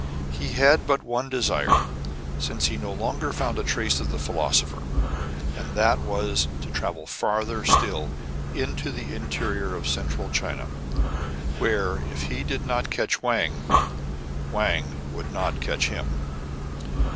He had but one desire, since he no longer found a trace of the philosopher ; and that was to travel farther still into the interior of Central China, where, if he did not catch Wang, Wang would not catch him.